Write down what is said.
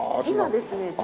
今ですね。